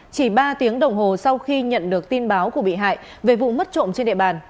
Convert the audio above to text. chỉ ba tiếng đồng hồ sau khi nhận được tin báo của bị hại về vụ mất trộm trên địa bàn